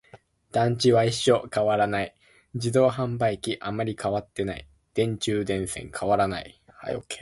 団地は一緒、変わらない。自動販売機、あまり変わっていない。電柱、電線、変わらない。